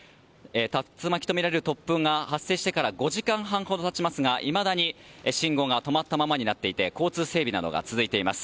竜巻とみられる突風が発生して５時間半ほど経ちますがいまだに信号が止まったままになっていて交通整理などが続いています。